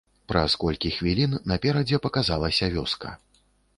Праз колькі хвілін наперадзе паказалася вёска.